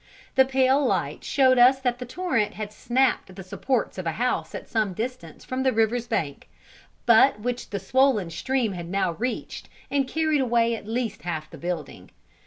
The pale light showed us that the torrent had snapped the supports of a house at some distance from the river's bank, but which the swollen stream had now reached, and carried away at least half the building.